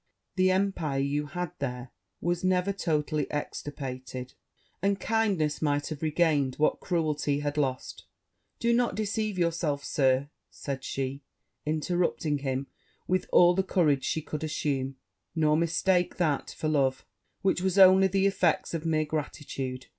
the empire you had there was never totally extirpated; and kindness might have regained what cruelty had lost!' 'Do not deceive yourself, Sir,' said she, interrupting him with all the courage she could assume; 'nor mistake that for love which was only the effect of mere gratitude.'